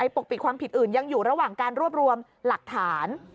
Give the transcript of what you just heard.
ปกปิดความผิดอื่นยังอยู่ระหว่างการรวบรวมหลักฐาน